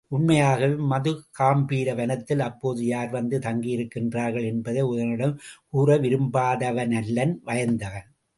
உண்மையாகவே மதுகாம்பீர வனத்தில் அப்போது யார் வந்து தங்கியிருக்கின்றார்கள் என்பதை உதயணனிடம் கூற விரும்பாதவனல்லன் வயந்தகன்!